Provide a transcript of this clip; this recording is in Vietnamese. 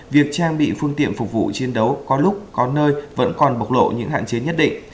việc trang bị phương tiện phục vụ chiến đấu có lúc có nơi vẫn còn bộc lộ những hạn chế nhất định